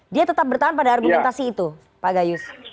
dia tetap bertahan pada argumentasi itu pak gayus